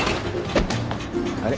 あれ？